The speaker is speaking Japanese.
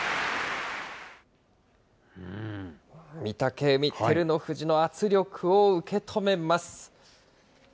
御嶽海、照ノ富士の圧力を受け止めます。